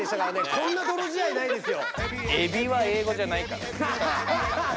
こんなどろ仕合ないですよ。